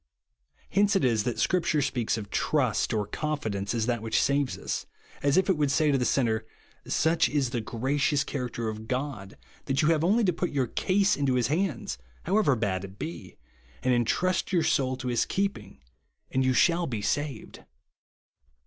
Hence it is that Scripture speaks of "trust" or "confidence" as that which saves us,* as if it would say to the sinner, " Such is the gracious character of God, that you have only to put your case into his hands, how ever bad it be, and entrust your soul to his keeping, and you shall be saved."